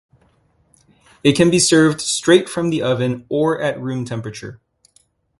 It can be served straight from the oven or at room temperature.